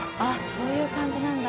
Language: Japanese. そういう感じなんだ。